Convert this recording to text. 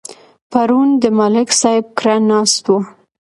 پرون د ملک صاحب کره ناست وو.